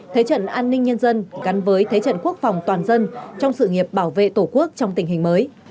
thế trận an ninh nhân dân gắn với thế trận quốc phòng toàn dân trong sự nghiệp bảo vệ tổ quốc trong tình hình mới